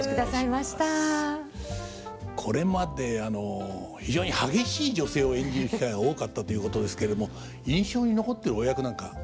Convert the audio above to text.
これまで非常に激しい女性を演じる機会が多かったということですれけども印象に残ってるお役何かございます？